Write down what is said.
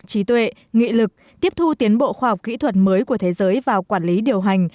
trí tuệ nghị lực tiếp thu tiến bộ khoa học kỹ thuật mới của thế giới vào quản lý điều hành